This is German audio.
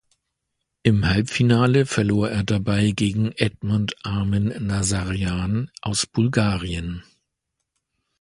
Im Halbfinale verlor er dabei gegen Edmond Armen Nasarjan aus Bulgarien.